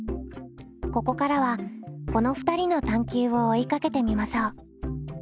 ここからはこの２人の探究を追いかけてみましょう。